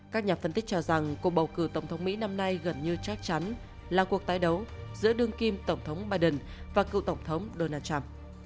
các nhà phân tích cho rằng cuộc bầu cử tổng thống mỹ năm nay gần như chắc chắn là cuộc tái đấu giữa đương kim tổng thống biden và cựu tổng thống donald trump